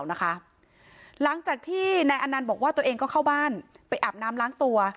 หลังจากที่นายอนันต์บอกว่าตัวเองก็เข้าบ้านไปอาบน้ำล้างตัว